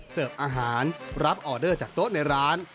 เสิร์ฟอาหารรับออเดอร์จากโต๊ะในร้าน